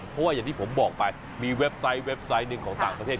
เพราะว่าอย่างที่ผมบอกไปมีเว็บไซต์เว็บไซต์หนึ่งของต่างประเทศ